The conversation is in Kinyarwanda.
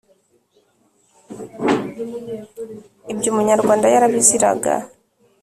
Ibyo Umunyarwanda yarabiziraga